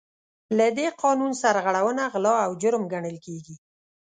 له دې قانون سرغړونه غلا او جرم ګڼل کیږي.